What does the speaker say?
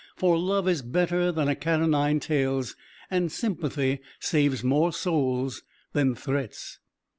For love is better than a cat o' nine tails, and sympathy saves more souls than threats.